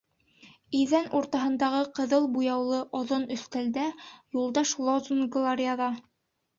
Иҙән уртаһындағы ҡыҙыл буяулы оҙон өҫтәлдә Юлдаш лозунгылар яҙа.